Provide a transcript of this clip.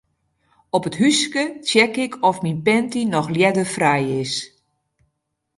Op it húske check ik oft myn panty noch ljedderfrij is.